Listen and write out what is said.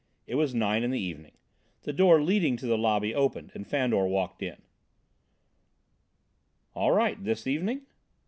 It was nine in the evening. The door leading to the lobby opened and Fandor walked in. "All right, this evening?"